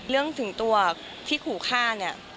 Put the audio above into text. เรื่องถึงตัวที่ขู่ข้า